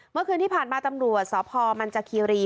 เมื่อคืนที่ผ่านมาตำรวจสพมันจคีรี